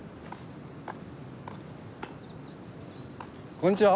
こんにちは。